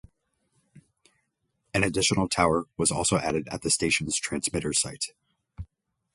An additional tower was also added at the station's transmitter site.